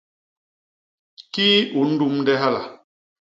Kii u ndumde hala?